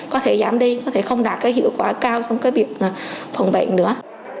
có thể giảm đi có thể không đạt cái hiệu quả cao trong cái việc phòng bệnh nữa